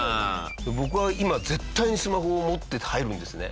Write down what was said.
僕は今絶対にスマホを持って入るんですね。